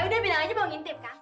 eh udah bilang aja mau ngintip kak